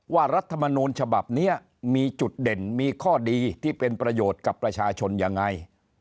รัฐมนูลฉบับนี้มีจุดเด่นมีข้อดีที่เป็นประโยชน์กับประชาชนยังไง